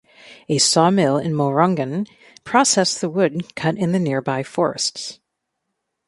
A sawmill in Mohrungen processed the wood cut in the nearby forests.